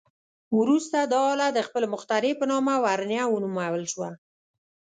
وروسته دا آله د خپل مخترع په نامه ورنیه ونومول شوه.